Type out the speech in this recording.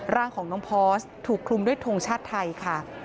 ร่างของน้องพอร์สถูกคลุมด้วยทงชาติไทยค่ะ